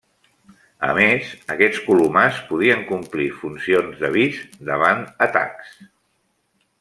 A més, aquests colomars podien complir funcions d'avís davant atacs.